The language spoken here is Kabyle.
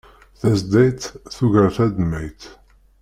Tazdayt tugar tadmayt